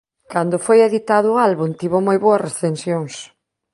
Cando foi editado o álbum tivo moi boas recensións.